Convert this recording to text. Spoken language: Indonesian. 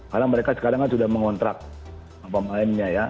karena mereka sekadang sudah mengontrak pemainnya ya